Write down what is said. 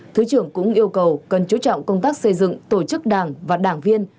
thứ trưởng cũng yêu cầu cần chú trọng công tác xây dựng tổ chức đảng và đảng viên